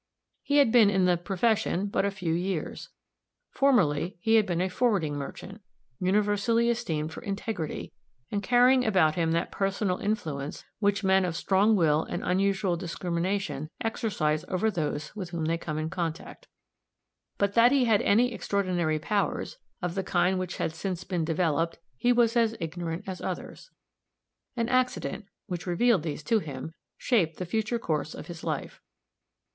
He had been in the "profession" but a few years. Formerly he had been a forwarding merchant, universally esteemed for integrity, and carrying about him that personal influence which men of strong will and unusual discrimination exercise over those with whom they come in contact. But that he had any extraordinary powers, of the kind which had since been developed, he was as ignorant as others. An accident, which revealed these to him, shaped the future course of his life.